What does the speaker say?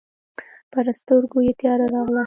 پر سترګو یې تياره راغله.